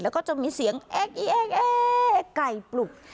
แล้วก็จนมีเสียงเอ๊ะไก่ปลุก